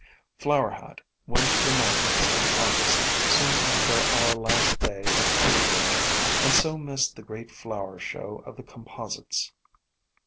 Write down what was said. Flower Hat went to the mountains in August soon after our last day at Tree bridge, and so missed the great flower show of the composites.